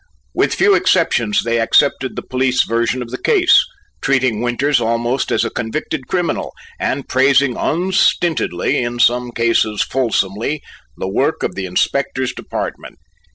With few exceptions they accepted the police version of the case, treating Winters almost as a convicted criminal and praising unstintedly, in some cases fulsomely, the work of the Inspector's department.